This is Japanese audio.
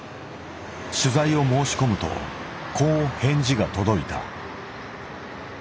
取材を申し込むとこう返事が届いた。